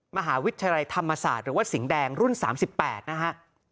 มหาวิทยาลัยธรรมศาสตร์หรือว่าสิงห์แดงรุ่น๓๘นะฮะ